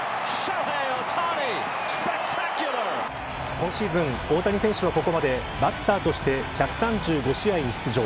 今シーズン大谷選手はここまでバッターとして１３５試合に出場。